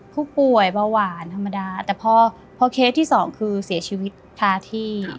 มันก็หวานธรรมดาแต่พอเคสที่สองคือเสียชีวิตพลาดที่